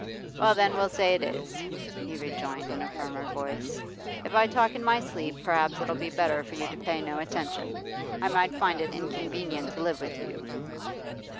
'Well, then, we'll say it is,' he rejoined in a firmer voice. 'If I talk in my sleep, perhaps it'll be better for you to pay no attention. I might find it inconvenient to live with you.